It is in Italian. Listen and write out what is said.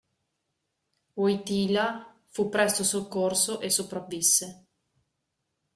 Wojtyła fu presto soccorso e sopravvisse.